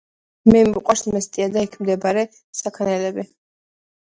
მე მიყვარს მესტია და იქ მდებარე საქანელები